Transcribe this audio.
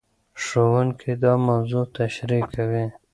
ښوونکي دا موضوع تشريح کوي.